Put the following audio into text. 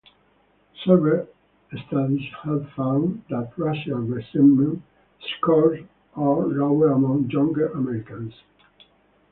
Several studies have found that racial resentment scores are lower among younger Americans.